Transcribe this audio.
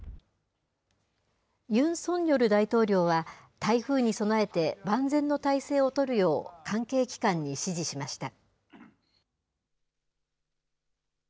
ユン・ソンニョル大統領は、台風に備えて万全の態勢を取るよう、関係機関に指示しました。